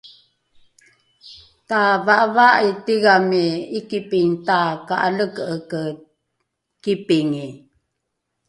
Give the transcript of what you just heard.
tava’avaa’i tigami ’ikipingi taka’aleke’eke kipingi